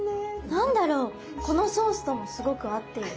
何だろうこのソースともすごく合っていて。